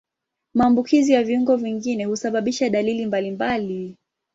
Maambukizi ya viungo vingine husababisha dalili mbalimbali.